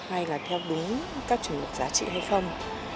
hay là theo đúng các trường hợp giá trị hay không